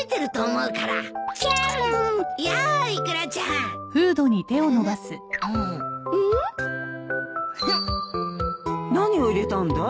うん？何を入れたんだい？